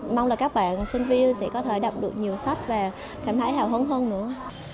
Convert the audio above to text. mong là các bạn sinh viên sẽ có thể đọc được nhiều sách và cảm thấy hào hứng hơn nữa